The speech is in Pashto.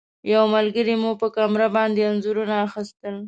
یو ملګري مو په کامره باندې انځورونه اخیستل.